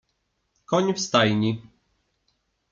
Koń w stajni.